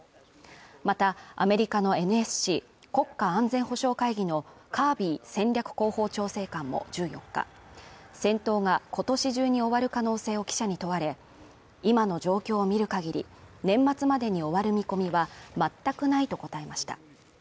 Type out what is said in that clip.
またアメリカのＮＳＣ＝国家安全保障会議のカービー戦略広報調整官も１４日戦闘が今年中に終わる可能性を記者に問われ今の状況を見る限り年末までに終わる見込みは全くないと答えました